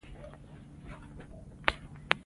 پوهېږې هيلې ما په ټوله لار کې همداسې سوچ کاوه.